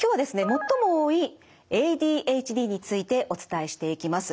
最も多いＡＤＨＤについてお伝えしていきます。